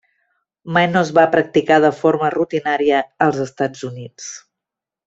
Mai no es va practicar de forma rutinària als Estats Units.